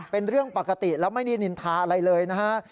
เป็นเรื่องปกติแล้วไม่ได้นินทาอะไรเลยนะฮะ